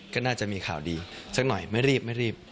ก็น่าจะมีข่าวดีสักหน่อยไม่รีบไม่รีบ